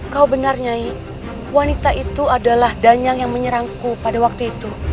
kau benarnya wanita itu adalah danyang yang menyerangku pada waktu itu